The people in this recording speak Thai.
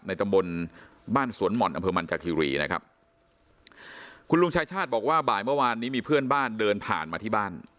ตำบลบ้านสวนหม่อนอำเภอมันจากคิรีนะครับคุณลุงชายชาติบอกว่าบ่ายเมื่อวานนี้มีเพื่อนบ้านเดินผ่านมาที่บ้าน